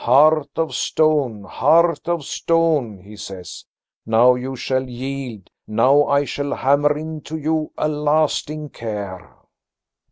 'Heart of stone, heart of stone,' he says, 'now you shall yield. Now I shall hammer into you a lasting care.'"